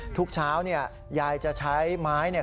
ทุกเช้าเนี่ยยายจะใช้ไม้เนี่ย